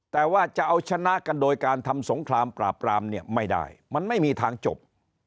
แต่ว่าจะเอาชนะกันโดยการทำสงครามปราบปรามเนี่ยไม่ได้มันไม่มีทางจบ